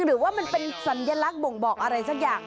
หรือว่ามันเป็นสัญลักษณ์บ่งบอกอะไรสักอย่าง